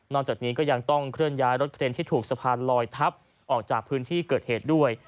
จากนี้ก็ยังต้องเคลื่อนย้ายรถเครนที่ถูกสะพานลอยทับออกจากพื้นที่เกิดเหตุด้วย